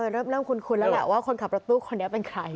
เริ่มคุ้นแล้วแหละว่าคนขับรถตู้คนนี้เป็นใคร